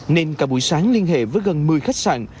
nên cả buổi sáng liên hệ với gần một mươi khách sạn